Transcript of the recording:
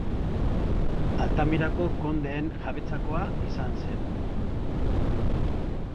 Altamirako kondeen jabetzakoa izan zen.